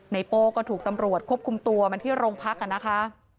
โป้ก็ถูกตำรวจควบคุมตัวมาที่โรงพักกันนะคะ